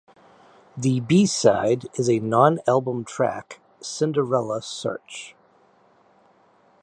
The B-side is the non-album track "Cinderella Search".